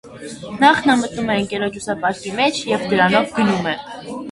Նախ նա մտնում է ընկերոջ ուսապարկի մեջ և դրանով գնում է։